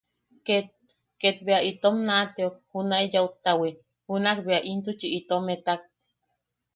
Ket... ket bea itom naʼateok junae yaʼuttawi, junak bea intuchi itom etak.